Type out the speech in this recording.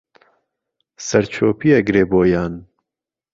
سەرچۆپی ئەگرێ بۆیان